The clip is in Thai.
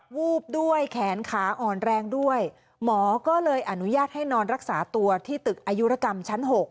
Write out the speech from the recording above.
วูบด้วยแขนขาอ่อนแรงด้วยหมอก็เลยอนุญาตให้นอนรักษาตัวที่ตึกอายุรกรรมชั้น๖